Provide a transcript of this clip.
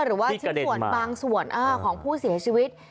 หรือว่าชิ้นส่วนบางส่วนของผู้เสียชีวิต